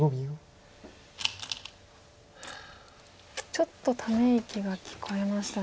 ちょっとため息が聞こえましたね。